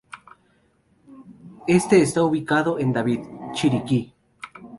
Este está ubicado en David, Chiriquí.